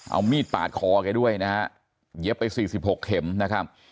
เอามีดปาดคอแกด้วยนะฮะเย็บไป๔๖เข็มนะครับ